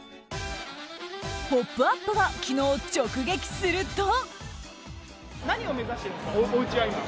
「ポップＵＰ！」が昨日直撃すると。